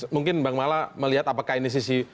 mungkin bang mala melihat apakah ini sisi